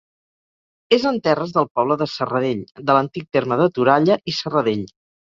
És en terres del poble de Serradell, de l'antic terme de Toralla i Serradell.